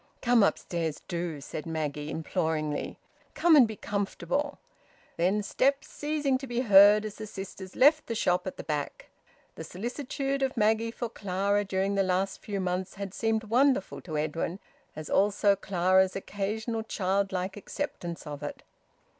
"Come upstairs, do!" said Maggie imploringly. "Come and be comfortable." Then steps, ceasing to be heard as the sisters left the shop at the back. The solicitude of Maggie for Clara during the last few months had seemed wonderful to Edwin, as also Clara's occasional childlike acceptance of it.